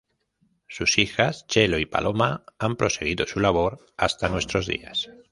Sus hijas Chelo y Paloma han proseguido su labor hasta nuestros días.